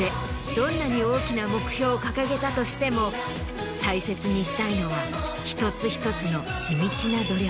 どんなに大きな目標を掲げたとしても大切にしたいのは一つ一つの。